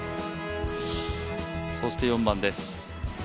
そして４番です。